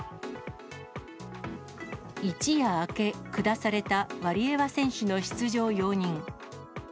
一夜明け下されたワリエワ選手の出場容認。